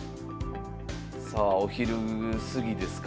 さあお昼過ぎですか？